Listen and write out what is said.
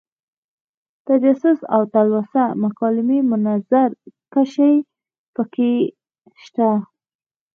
تجسس او تلوسه مکالمې منظر کشۍ پکې شته.